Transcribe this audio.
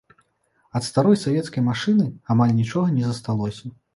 Ад старой савецкай машыны амаль нічога не засталося.